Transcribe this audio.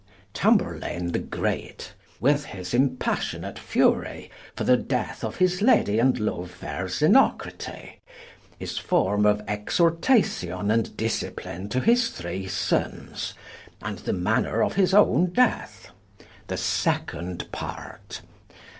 Tamburlaine the Greate. With his impassionate furie, for the death of his Lady and Loue fair Zenocrate: his forme of exhortation and discipline to his three Sonnes, and the manner of his owne death. The second part.